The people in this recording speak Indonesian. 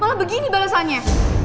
malah begini balesannya